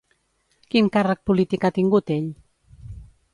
Quin càrrec polític ha tingut ell?